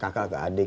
kakak ke adik